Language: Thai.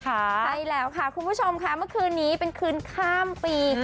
ใช่แล้วค่ะคุณผู้ชมค่ะเมื่อคืนนี้เป็นคืนข้ามปี